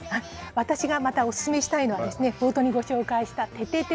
私がまたお勧めしたいのは、冒頭にご紹介した、ててて！